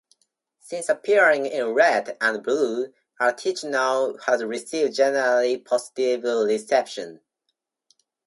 Since appearing in "Red" and "Blue", Articuno has received generally positive reception.